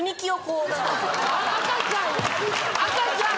赤ちゃん。